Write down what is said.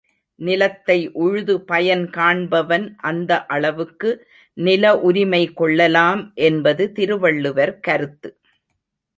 நிலத்தை உழுது பயன் காண்பவன் அந்த அளவுக்கு நில உரிமை கொள்ளலாம் என்பது திருவள்ளுவர் கருத்து.